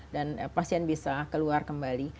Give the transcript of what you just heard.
dan pasien bisa keluar kembali